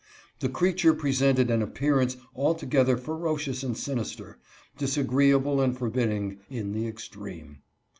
The creature presented an appearance altogether ferocious and sinister, disagreeable and for bidding, in the extreme.